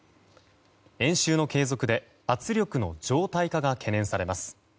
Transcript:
演習の継続で圧力の常態化が懸念されます。